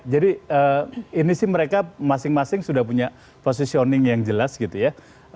jadi ini sih mereka masing masing sudah punya positioning yang jelas gitu ya